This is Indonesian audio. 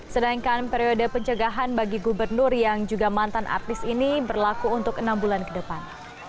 sedangkan periode pencegahan bagi gubernur yang juga mantan artis ini berlaku untuk enam bulan ke depan